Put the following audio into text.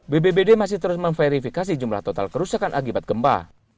bbbd masih terus memverifikasi jumlah total kerusakan akibat gempa